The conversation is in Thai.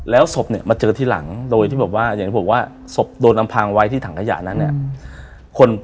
แล้วศพมาเจอทีหลังโดยที่เฉพาะว่าศพโดนอำพางไว้ที่ถังกระหย่านั้น